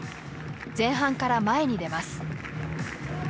前半から前に出ます。